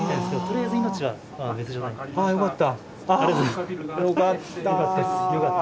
ああよかった。